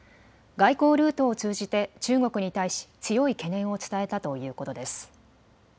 外交ルートを通じて中国に対し強い懸念を伝えたということです。